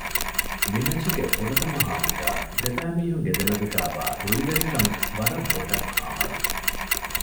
މި މެޗުގެ ފުރަތަމަ ހާފުގައި ދެބައި މީހުންގެ މެދުގައިވާ ރުޅިވެރިކަން ވަރަށް ބޮޑަށް ހާމަވި